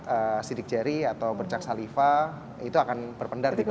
jadi bercak sidik jari atau bercak saliva itu akan berpendar di bawah